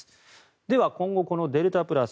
では今後デルタプラス